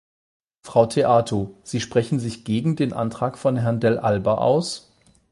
Frau Theato, Sie sprechen sich gegen den Antrag von Herrn Dell'Alba aus?